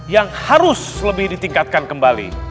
yang harus lebih ditingkatkan kembali